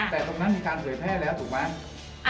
แต่ตรงนั้นมีการเผยแพร่แล้วถูกไหม